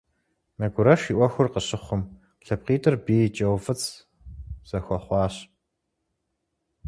Нэгурэш и Ӏуэхур къыщыхъум, лъэпкъитӀыр бий кӀэуфӀыцӀ зэхуэхъуащ.